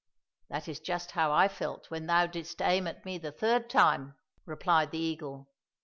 —" That is just how I felt when thou didst aim at me the third time," replied the eagle.